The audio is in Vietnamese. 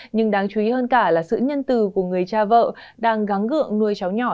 nhưng đáng chú ý hơn cả là sự nhân từ của người cha vợ đang gắn gượng nuôi cháu nhỏ